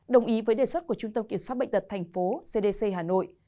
đồng ý với đề xuất của trung tâm kiểm soát bệnh tật thành phố cdc hà nội